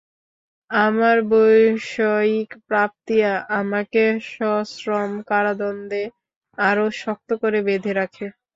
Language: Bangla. আমার বৈষয়িক প্রাপ্তি আমাকে সশ্রম কারাদণ্ডে আরো শক্ত করে বেঁধে রাখে।